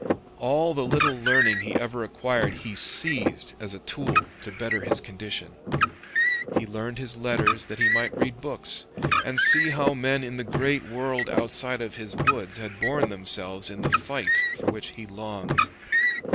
All the little learning he ever acquired he seized as a tool to better his condition. He learned his letters that he might read books and see how men in the great world outside of his woods had borne themselves in the fight for which he longed.